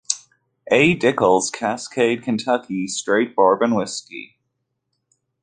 A. Dickel's Cascade Kentucky Straight Bourbon Whisky.